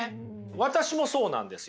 私もそうなんですよ。